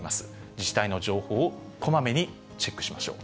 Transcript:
自治体の情報をこまめにチェックしましょう。